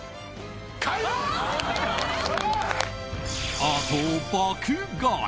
アートを爆買い！